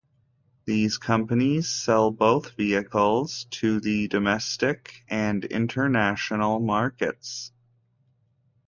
These companies sell both vehicles to the domestic and international markets.